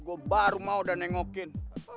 gue baru mau udah nengokin